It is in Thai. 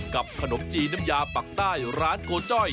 ขนมจีนน้ำยาปักใต้ร้านโกจ้อย